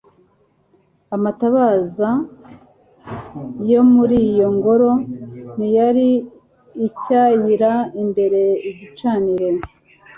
amatabaza [yo muri iyo ngoro] ntiyari acyaira imbere igicaniro